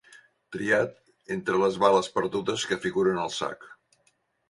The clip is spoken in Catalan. Triat entre les bales perdudes que figuren al sac.